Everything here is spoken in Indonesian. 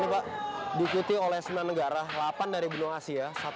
coba diikuti oleh sembilan negara delapan dari benua asia